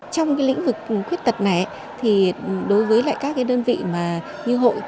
trong lĩnh vực khuyết tật này đối với các đơn vị như hội